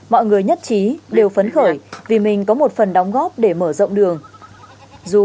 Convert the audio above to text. mọi người nhất trí đều phấn khởi vì mình có một phần đóng góp để mở rộng đường để làm đường